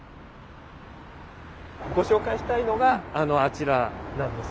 ご紹介したいのがあちらなんです。